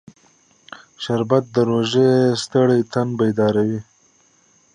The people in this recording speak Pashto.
شربت د روژې ستړی تن بیداروي